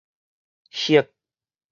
黑